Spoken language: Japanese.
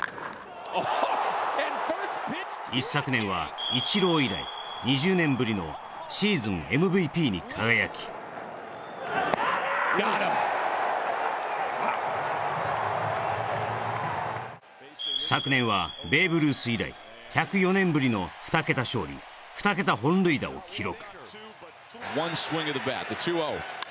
一昨年はイチロー以来２０年ぶりのシーズンＭＶＰに輝き昨年は、ベーブ・ルース以来１０４年ぶりの２桁勝利、２桁本塁打を記録。